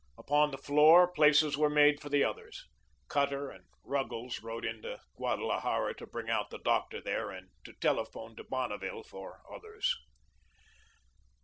Upon the floor, places were made for the others. Cutter and Ruggles rode into Guadalajara to bring out the doctor there, and to telephone to Bonneville for others.